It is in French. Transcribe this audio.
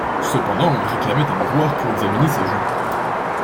Cependant il réclamait un miroir pour examiner sa joue.